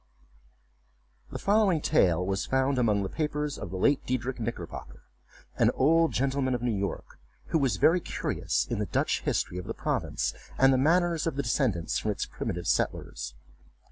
[The following Tale was found among the papers of the late Diedrich Knickerbocker, an old gentleman of New York, who was very curious in the Dutch history of the province, and the manners of the descendants from its primitive settlers.